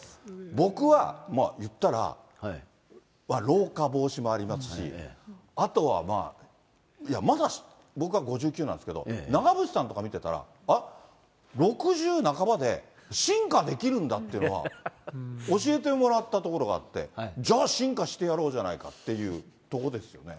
僕はいったら、老化防止もありますし、あとはまあ、まだ僕は５９なんですけど、長渕さんとか見てたら、あっ、６０半ばで、進化できるんだっていうのは、教えてもらったところがあって、じゃあ、進化してやろうじゃないかっていうとこですよね。